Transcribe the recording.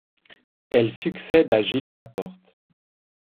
Elle succède à Gilles Laporte.